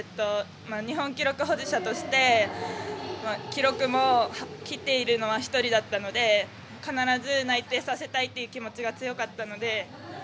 日本記録保持者として記録も切っているのは１人だったので必ず内定させたいという気持ちが強かったので。